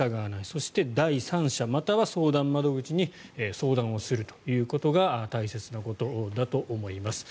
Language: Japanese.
そして第三者、または相談窓口に相談をするということが大切なことだと思います。